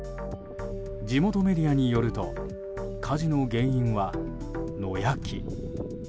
地元メディアによると火事の原因は、野焼き。